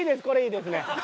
これいいですね。